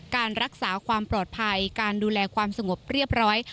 การรักษาความปลอดภัยการดูแลความสงบเรียบร้อย